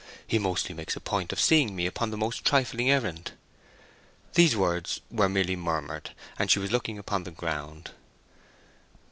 He mostly makes a point of seeing me upon the most trifling errand." These words were merely murmured, and she was looking upon the ground.